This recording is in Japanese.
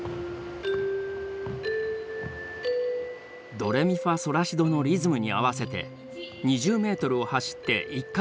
ドレミファソラシドのリズムに合わせて２０メートルを走って１回のカウント。